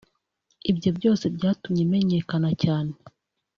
ibyo byose byatumye menyekana cyane